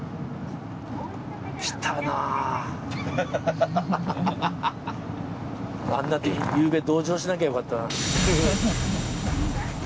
あんなゆうべ同情しなきゃよかったな。